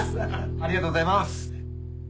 ありがとうございます。